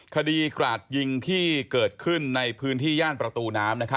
กราดยิงที่เกิดขึ้นในพื้นที่ย่านประตูน้ำ